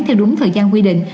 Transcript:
theo đúng thời gian quy định